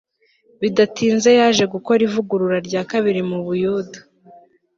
bidatinze yaje gukora ivugurura rya kabiri mu Buyuda